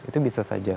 itu bisa saja